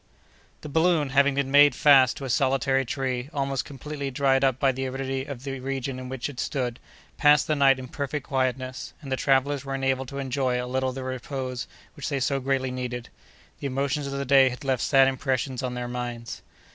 The balloon, having been made fast to a solitary tree, almost completely dried up by the aridity of the region in which it stood, passed the night in perfect quietness; and the travellers were enabled to enjoy a little of the repose which they so greatly needed. The emotions of the day had left sad impressions on their minds.